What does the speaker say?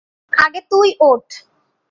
আগে তুই ওঠ।